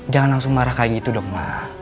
jangan langsung marah kayak gitu dong ma